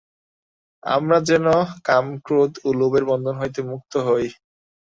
আমরা যেন কাম, ক্রোধ ও লোভের বন্ধন হইতে মুক্ত হই।